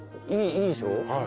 いいでしょ？